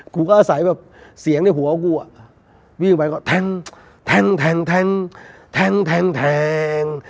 กูก็อาศัยแบบเสียงในหัวกูอ่ะวิ่งไปก็แทงแทงแทงแทง